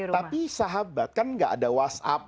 tapi sahabat kan gak ada whatsapp